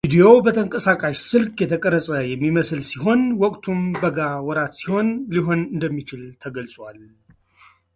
ቪዲዮው በተንቀሳቃሽ ስልክ የተቀረጸ የሚመስል ሲሆን ወቅቱም በጋ ወራት ሊሆን እንደሚችል ተገልጿል።